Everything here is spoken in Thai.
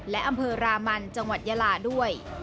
และอำเภอรามันจังหวัดยาลาด้วย